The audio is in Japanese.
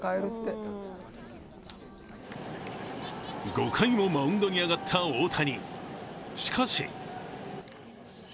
５回もマウンドに上がった大谷。